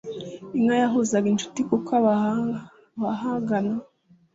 inka yahuzaga inshuti kuko abahanaga